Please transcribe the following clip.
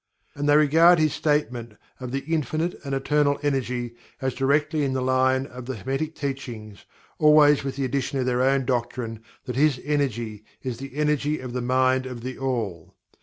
And they regard his statement of the "Infinite and Eternal Energy" as directly in the line of the Hermetic Teachings, always with the addition of their own doctrine that his "Energy" is the Energy of the Mind of THE ALL.